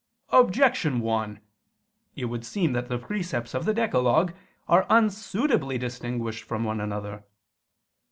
Objection 1: It would seem that the precepts of the decalogue are unsuitably distinguished from one another.